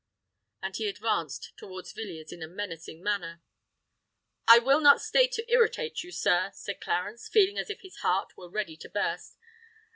And he advanced towards Villiers in a menacing manner. "I will not stay to irritate you, sir," said Clarence, feeling as if his heart were ready to burst.